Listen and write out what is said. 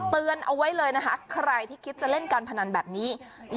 เตือนเอาไว้เลยนะคะใครที่คิดจะเล่นการพนันแบบนี้